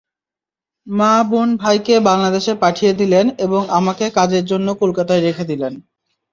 মা-বোন-ভাইকে বাংলাদেশে পাঠিয়ে দিলেন এবং আমাকে কাজের জন্য কলকাতায় রেখে দিলেন।